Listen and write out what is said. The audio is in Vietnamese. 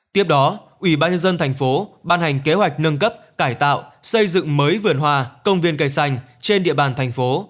tiếp đó ủy ban dân thành phố ban hành kế hoạch nâng cấp cải tạo xây dựng mới vườn hoa công viên cây xanh trên địa bàn thành phố